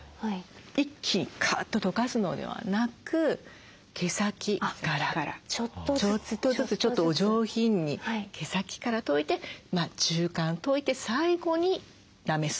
一気にかっととかすのではなく毛先からちょっとずつちょっとお上品に毛先からといて中間といて最後になめす。